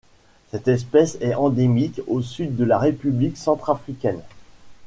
Cette espèce est endémique au sud de la République centrafricaine.